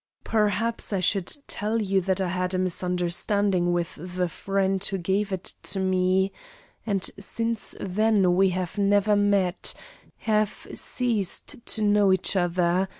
Perhaps I should tell you that I had a misunderstanding with the friend who gave it to me, and since then we have never met; have ceased to know each other.